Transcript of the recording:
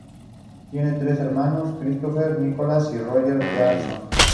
Tiene tres hermanos Christopher, Nicola y Roger Pearson.